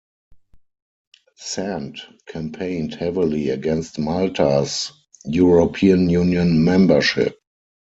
Sant campaigned heavily against Malta's European Union membership.